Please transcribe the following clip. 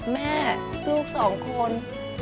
แม่ลูกสองคน